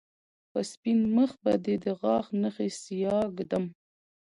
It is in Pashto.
په سپين مخ به دې د غاښ نښې سياه ږدم